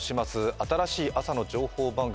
新しい朝の情報番組